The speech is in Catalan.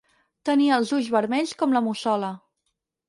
Tenir els ulls vermells com la mussola.